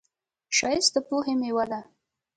ښایست د پوهې میوه ده